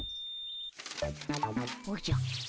おじゃ。